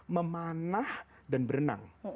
memanah dan berenang